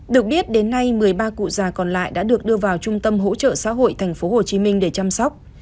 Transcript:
được biết đến nay một mươi ba cụ già còn lại đã được đưa vào trung tâm hỗ trợ xã hội tp hcm để chăm sóc